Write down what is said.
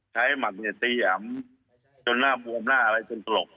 หมัดเนี่ยตีหำจนหน้าบวมหน้าอะไรจนตลก